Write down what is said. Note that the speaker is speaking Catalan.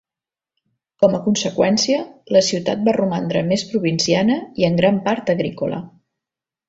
Com a conseqüència, la ciutat va romandre més provinciana, i en gran part agrícola.